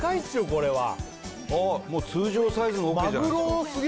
これは通常サイズのおけじゃないですか